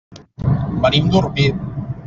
Venim d'Orpí.